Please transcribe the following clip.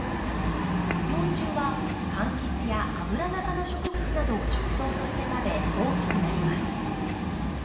幼虫は柑橘やアブラナ科の植物などを食草として食べ大きくなります。